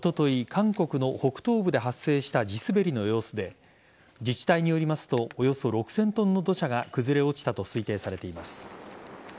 韓国の北東部で発生した地滑りの様子で自治体によりますとおよそ６０００ｔの土砂が崩れ落ちたと推定されています。